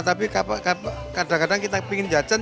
tapi kadang kadang kita pingin jajan